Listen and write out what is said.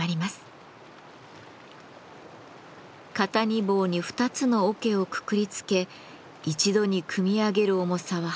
肩荷棒に２つの桶をくくりつけ一度にくみ上げる重さは８０キロ。